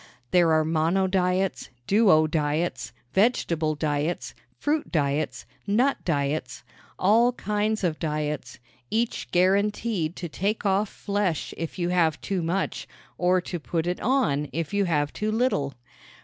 There are monodiets, duodiets, vegetable diets, fruit diets, nut diets all kinds of diets each guaranteed to take off flesh if you have too much or to put it on if you have too little.